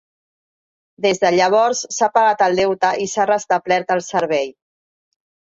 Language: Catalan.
Des de llavors s'ha pagat el deute i s'ha restablert el servei.